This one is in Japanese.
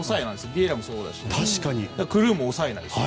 ビエイラもそうだしクルーンも抑えだし。